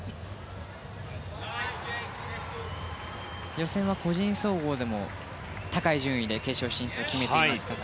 予選は個人総合でも高い順位で決勝進出を決めていますから